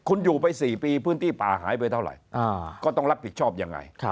คุณอยู่ไป๔ปีพื้นที่ป่าหายไปเท่าไหร่ก็ต้องรับผิดชอบยังไง